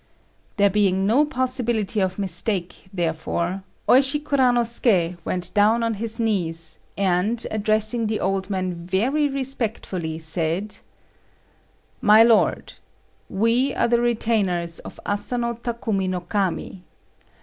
There being no possibility of mistake, therefore, Oishi Kuranosuké went down on his knees, and addressing the old man very respectfully, said "My lord, we are the retainers of Asano Takumi no Kami.